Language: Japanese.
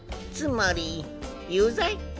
つまり有罪？